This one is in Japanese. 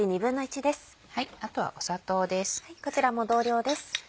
あとは砂糖です。